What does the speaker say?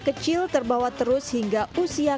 kecil terbawa terus hingga usia